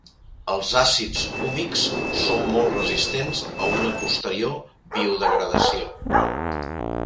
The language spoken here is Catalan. Els àcids húmics són molt resistents a una posterior biodegradació.